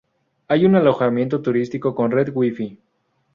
Hay un alojamiento turístico con red wifi.